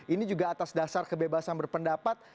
ini juga atas dasar kebebasan berpendapat